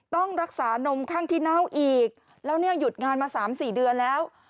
ต้องรักษานมข้างที่เน่าอีกแล้วเนี่ยหยุดงานมา๓๔เดือนแล้ว